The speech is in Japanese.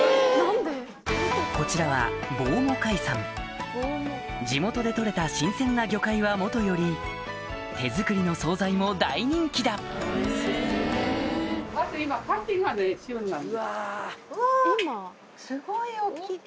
こちらは地元で取れた新鮮な魚介はもとより手作りの総菜も大人気だうわ。